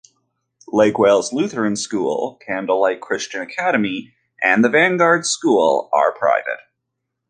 Lake Wales Lutheran School, Candlelight Christian Academy, and The Vanguard School are private.